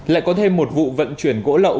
lại có thêm một vụ vận chuyển gỗ lậu